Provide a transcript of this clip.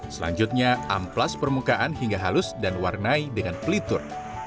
selanjutnya amplas permukaan hingga halus dan warnai dengan pelitur